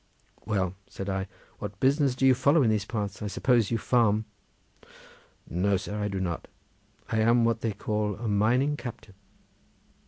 "Well," said I, "what business do you follow in these parts? I suppose you farm?" "No, sir! I do not; I am what they call a mining captain."